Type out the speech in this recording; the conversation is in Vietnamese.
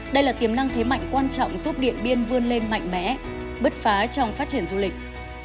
đây là tiềm năng thế mạnh quan trọng giúp điện biên vươn lên mạnh mẽ bứt phá trong phát triển du lịch